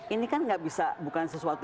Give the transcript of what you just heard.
ini kan gak bisa bukan sesuatu